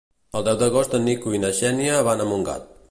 El deu d'agost en Nico i na Xènia van a Montgat.